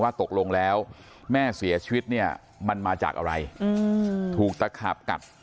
ตกลงแล้วแม่เสียชีวิตเนี่ยมันมาจากอะไรถูกตะขาบกัด